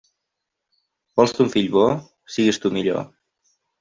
Vols ton fill bo? Sigues tu millor.